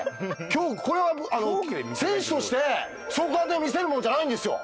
今日これは選手としてそう簡単に見せるものじゃないんですよ。